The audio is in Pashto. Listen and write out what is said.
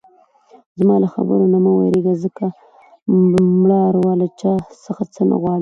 زما له خبرو نه مه وېرېږه ځکه مړه اروا له چا څه نه غواړي.